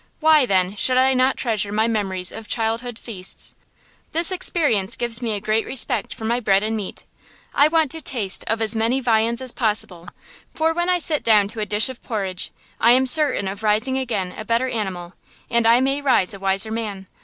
Why, then, should I not treasure my memories of childhood feasts? This experience gives me a great respect for my bread and meat. I want to taste of as many viands as possible; for when I sit down to a dish of porridge I am certain of rising again a better animal, and I may rise a wiser man.